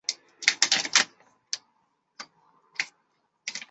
卡雷戈萨是葡萄牙阿威罗区的一个堂区。